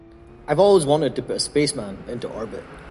I've always wanted to put a spaceman into orbit.